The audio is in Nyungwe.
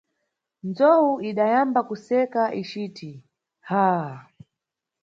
Nzowu idayamba kuseka icit, ah!